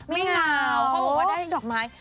ไม่เหงาเขาบอกว่าได้ดอกไม้